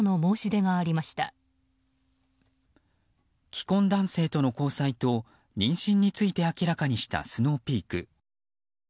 既婚男性との交際と妊娠について明らかにしたスノーピーク。